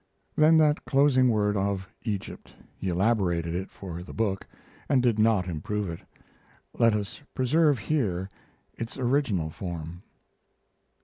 Then that closing word of Egypt. He elaborated it for the book, and did not improve it. Let us preserve here its original form.